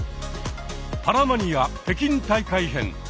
「パラマニア北京大会編」。